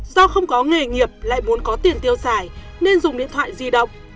do không có nghề nghiệp lại muốn có tiền tiêu xài nên dùng điện thoại di động